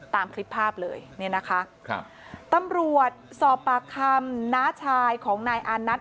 ตามคลิปภาพเลยเนี่ยนะคะครับตำรวจสอบปากคำน้าชายของนายอานัท